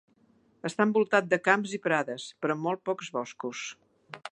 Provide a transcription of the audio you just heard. Està envoltat de camps i prades, però molt pocs boscos.